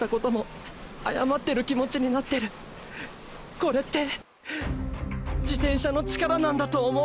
これって自転車の力なんだと思う！！